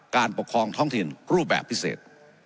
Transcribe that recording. การปกครองท้องถิ่นรูปแบบพิเศษ